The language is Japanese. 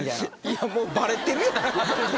いやもうバレてるやん。